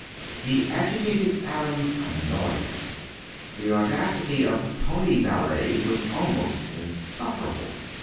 The agitated atoms annoyed us. The audacity of "pony ballet" was almost insufferable.